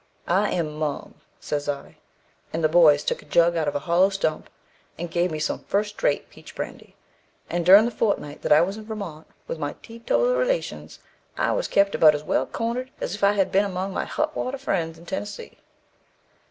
'I am mum,' says I. And the boys took a jug out of a hollow stump, and gave me some first rate peach brandy. And during the fortnight that I was in Vermont, with my teetotal relations, I was kept about as well corned as if I had been among my hot water friends in Tennessee."